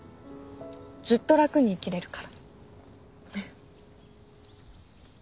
ずっと楽に生きられるから。